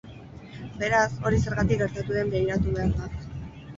Beraz, hori zergatik gertatu den begiratu behar da.